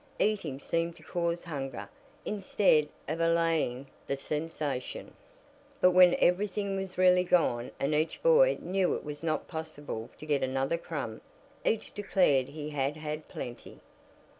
Eating seemed to cause hunger, instead of allaying the sensation. But when everything was really gone, and each boy knew it was not possible to get another crumb, each declared he had had plenty.